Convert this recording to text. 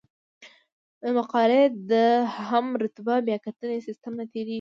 مقالې د هم رتبه بیاکتنې سیستم نه تیریږي.